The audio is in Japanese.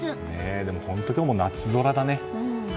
でも本当に今日も夏空だね。